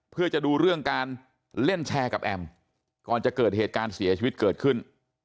เพื่อจะดูเรื่องการเล่นแชร์กับแอมก่อนจะเกิดเหตุการณ์เสียชีวิตเกิดขึ้น